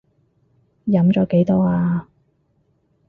飲咗幾多呀？